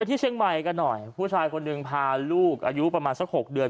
ที่เชียงใหม่กันหน่อยผู้ชายคนหนึ่งพาลูกอายุประมาณสักหกเดือน